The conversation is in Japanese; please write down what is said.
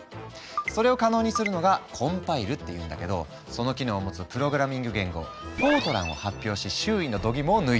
それを可能にするのが「コンパイル」っていうんだけどその機能を持つプログラミング言語「ＦＯＲＴＲＡＮ」を発表し周囲のどぎもを抜いたんだ。